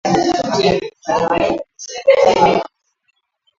wanachama wa democratic na republican